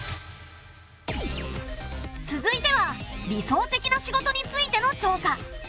続いては理想的な仕事についての調査。